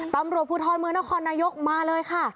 ตำรวจภูทรเมืองนครนายกมาเลยค่ะ